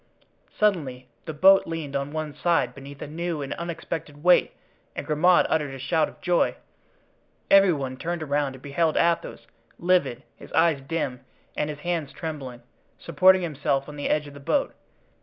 Suddenly the boat leaned on one side beneath a new and unexpected weight and Grimaud uttered a shout of joy; every one turned around and beheld Athos, livid, his eyes dim and his hands trembling, supporting himself on the edge of the boat.